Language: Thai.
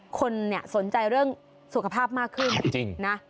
คนเนี่ยสนใจเรื่องสุขภาพมากขึ้นจริงนะ